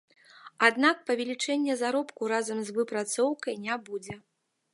Аднак павелічэння заробку разам з выпрацоўкай не будзе.